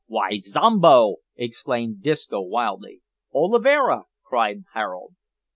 "Why, Zombo!" exclaimed Disco, wildly. "Oliveira!" cried Harold.